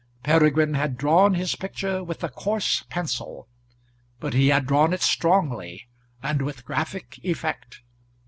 Peregrine had drawn his picture with a coarse pencil, but he had drawn it strongly, and with graphic effect.